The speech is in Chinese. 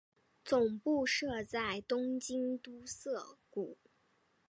总部设在东京都涩谷。